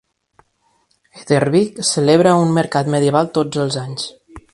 Etterbeek celebra un mercat medieval tots els anys.